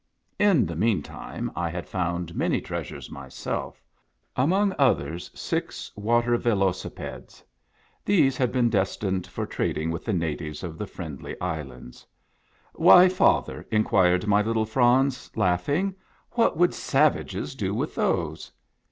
In the mean time I had found many treasures my self; among others six water velocipedes. These had been destined for trading with the natives of the Friendly Islands. " Why, father," inquired my little Franz, laughing, " what would savages do with those